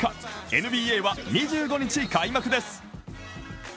ＮＢＡは２５日開幕です。